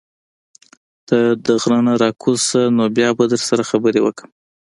ته د غرۀ نه راکوز شه نو بيا به در سره خبرې وکړم